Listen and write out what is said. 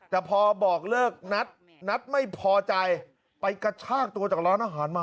แต่พอบอกเลิกนัทนัทไม่พอใจไปกระชากตัวจากร้านอาหารมา